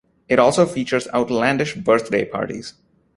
It also features outlandish birthday parties.